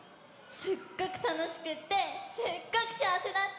すっごくたのしくってすっごくしあわせだったよ！